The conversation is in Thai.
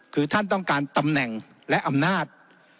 คือท่านต้องการตำแหน่งและอำนาจ